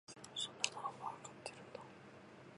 他の誰かになんてなれやしないよそんなのわかってるんだ